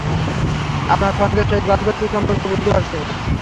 আপনার সঙ্গে সেই গল্পের কী সম্পর্ক বুঝতে পারছি না।